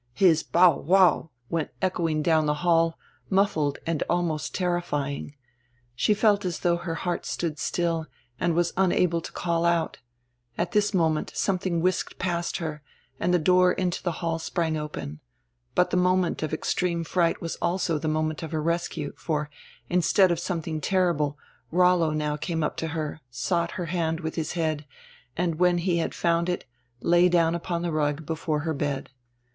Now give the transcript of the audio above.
His "bow wow" went echoing down tire hall, muffled and alnrost terrifying. She felt as though her heart stood still, and was unable to call out At this moment something whisked past her, and tire door into tire hall sprang open. But tire nronrent of extreme fright was also tire nronrent of her rescue, for, instead of something terrible, Rollo now came up to her, sought her hand with his head, and, when he had found it, lay down upon tire rug before her bed.